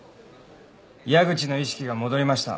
矢口の意識が戻りました。